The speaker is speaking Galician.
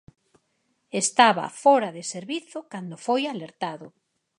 Estaba fóra de servizo cando foi alertado.